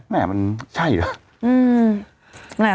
แม่มันใช่หรือ